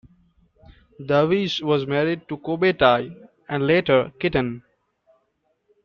Davis was married to Kobe Tai and, later, Kitten.